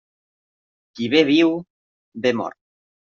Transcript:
Qui bé viu, bé mor.